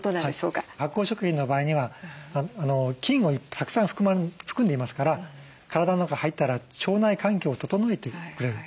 発酵食品の場合には菌をたくさん含んでいますから体の中入ったら腸内環境を整えてくれる。